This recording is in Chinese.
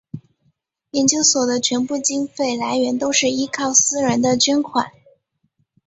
研究所的全部经费来源都是依靠私人的捐款。